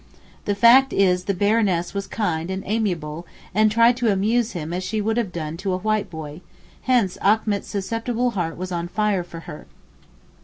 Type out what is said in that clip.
The fact is the Baroness was kind and amiable and tried to amuse him as she would have done to a white boy, hence Achmet's susceptible heart was 'on fire for her.